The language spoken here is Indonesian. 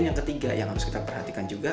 jadi kita harus memperhatikan juga